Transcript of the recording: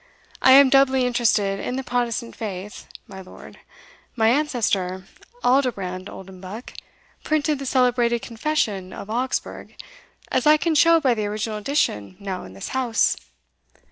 I am doubly interested in the Protestant faith, my lord. My ancestor, Aldobrand Oldenbuck, printed the celebrated Confession of Augsburg, as I can show by the original edition now in this house."